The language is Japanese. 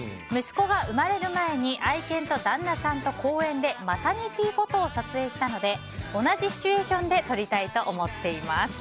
息子は生まれる前に愛犬と旦那さんと公園で、マタニティーフォトを撮影したので同じシチュエーションで撮りたいと思っています。